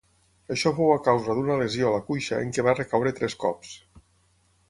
Això fou a causa d'una lesió a la cuixa en què va recaure tres cops.